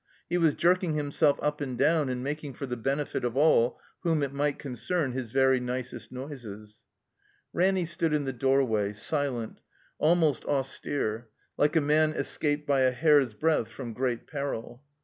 He was jerking himself up and down and making for the benefit of all whom it might concern his very nicest noises. Ranny stood in the doorway, silent, almost 355 THE COMBINED MAZE austere, like a man escaped by a hair^s breadth from great peril.